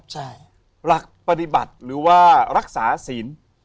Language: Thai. ใช่หลักปฏิบัติหรือว่ารักษาศีล